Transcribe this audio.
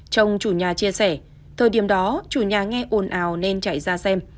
chồng chủ nhà chia sẻ thời điểm đó chủ nhà nghe ồn ào nên chạy ra xem